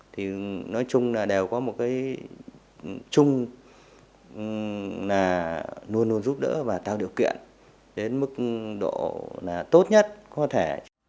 thì nói chung là đều có một cái chung là luôn luôn giúp đỡ và tạo điều kiện đến mức độ là tốt nhất có thể